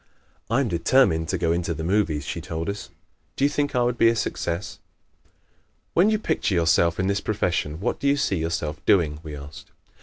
"I am determined to go into the movies," she told us. "Do you think I would be a success?" "When you picture yourself in this profession what do you see yourself doing?" we asked.